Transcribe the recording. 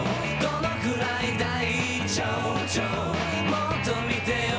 「もっと見てよ！